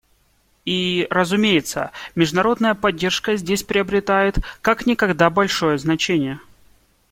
И, разумеется, международная поддержка здесь приобретает как никогда большое значение.